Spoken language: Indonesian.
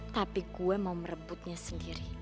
tapi gue mau merebutnya sendiri